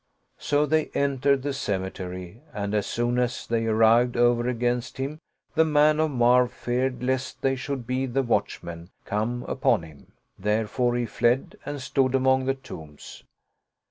So they entered the cemetery and as soon as they ar rived over against him, the man of Marw feared lest they should be the watchmen come upon him, therefore he fled and stood among the tombs.